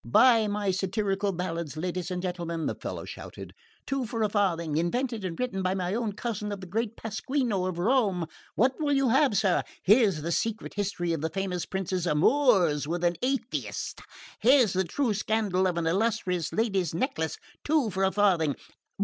"Buy my satirical ballads, ladies and gentlemen!" the fellow shouted. "Two for a farthing, invented and written by an own cousin of the great Pasquino of Rome! What will you have, sir? Here's the secret history of a famous Prince's amours with an atheist here's the true scandal of an illustrious lady's necklace two for a farthing...